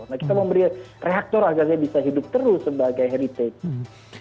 nah kita memberi reaktor agar dia bisa hidup terus sebagai heritage